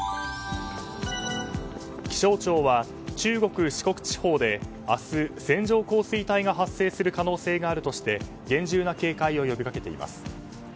気象庁は中国・四国地方で明日、線状降水帯が発生する可能性があるとして厳重な警戒を呼び掛けています。